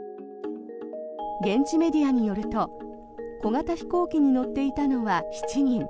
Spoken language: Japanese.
現地メディアによると小型飛行機に乗っていたのは７人。